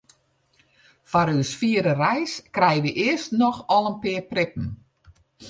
Foar ús fiere reis krije wy earst noch al in pear prippen.